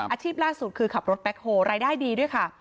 อาชีพล่าสุดคือขับรถแบ็คโฮรายได้ดีด้วยค่ะ